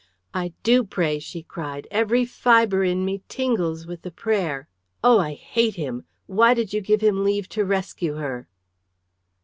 "I do pray," she cried. "Every fibre in me tingles with the prayer. Oh, I hate him! Why did you give him leave to rescue her?"